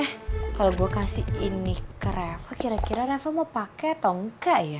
eh kalau gue kasih ini ke reva kira kira reva mau pakai atau enggak ya